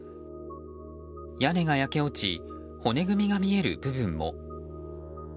屋根が焼け落ち骨組みが見える部分も。